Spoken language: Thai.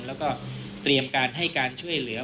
แล้วก็เตรียมการให้การช่วยเหลือ